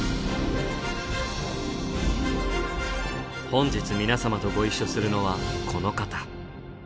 本日皆さまとご一緒するのはこの方。